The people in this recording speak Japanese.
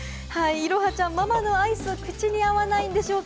彩羽ちゃん、ママのアイスは口に合わないんでしょうか？